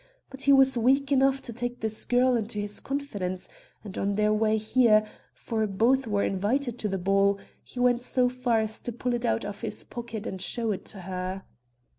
But he was weak enough to take this girl into his confidence; and on their way here for both were invited to the ball he went so far as to pull it out of his pocket and show it to her.